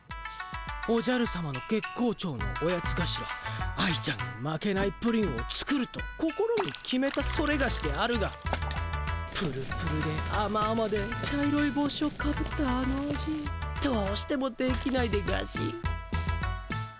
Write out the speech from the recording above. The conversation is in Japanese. おじゃるさまの月光町のオヤツがしら愛ちゃんに負けないプリンを作ると心に決めたソレガシであるがぷるぷるであまあまで茶色いぼうしをかぶったあの味どうしてもできないでガシ。